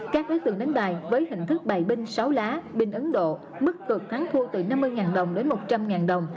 các đối tượng đánh bài với hình thức bài binh sáu lá binh ấn độ mức cực thắng thua từ năm mươi đồng đến một trăm linh đồng